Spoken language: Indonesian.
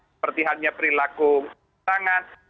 seperti halnya perilaku tangan